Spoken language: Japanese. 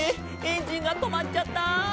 エンジンがとまっちゃった！」